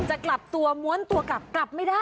จะกลับตัวม้วนตัวกลับกลับไม่ได้